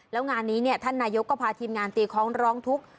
แล้วงานนี้ท่านนายกก็พาทีมงานตีคล้องร้องทุกข์